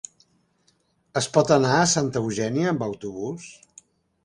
Es pot anar a Santa Eugènia amb autobús?